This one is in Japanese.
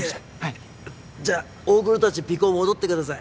じゃあ大黒たちの尾行戻ってください。